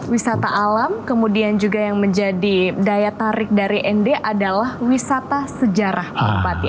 wisata alam kemudian juga yang menjadi daya tarik dari nd adalah wisata sejarah merpati